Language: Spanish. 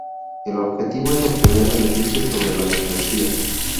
El objetivo es obtener beneficios sobre la mercancía.